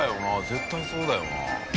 絶対そうだよな。